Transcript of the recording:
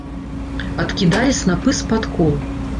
Адкідалі снапы з-пад кол.